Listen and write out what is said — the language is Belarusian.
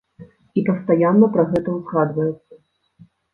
І пастаянна пра гэта ўзгадваецца.